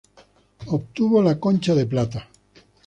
Obtuvo la Concha de Plata.